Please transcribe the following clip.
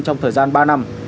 trong thời gian ba năm